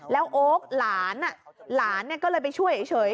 แล้วโอ๊คหลานหลานก็เลยไปช่วยเฉย